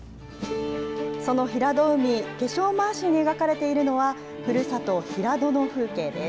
その平戸海、化粧まわしに描かれているのは、ふるさと、平戸の風景です。